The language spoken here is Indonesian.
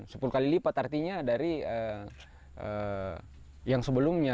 sepuluh kali lipat artinya dari yang sebelumnya